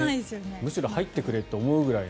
むしろ入ってくれって思うぐらいの。